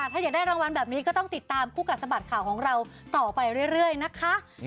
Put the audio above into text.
ถ้าอยากได้รางวัลแบบนี้ก็ต้องติดตามคู่กัดสะบัดข่าวของเราต่อไปเรื่อยนะคะ